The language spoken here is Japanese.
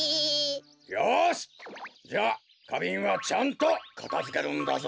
よしじゃあかびんはちゃんとかたづけるんだぞ！